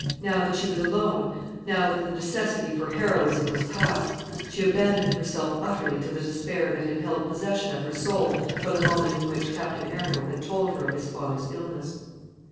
Now that she was alone, now that the necessity for heroism was past, she abandoned herself utterly to the despair that had held possession of her soul from the moment in which Captain Arundel had told her of his father's illness.